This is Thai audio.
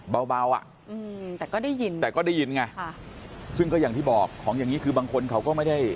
เบาเบาอ่ะอืมแต่ก็ได้ยินแต่ก็ได้ยินไงค่ะซึ่งก็อย่างที่บอกของอย่างนี้คือบางคนเขาก็ไม่ได้